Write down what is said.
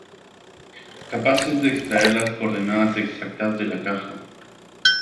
capaces de extraer las coordenadas exactas de la caja.